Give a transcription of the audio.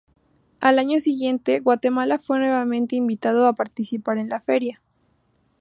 Al año siguiente, Guatemala fue nuevamente invitado a participar en la feria.